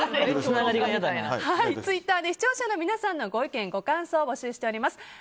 ツイッターで視聴者の皆さんのご意見、ご感想を募集しております。